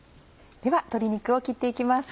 では鶏肉を切って行きます。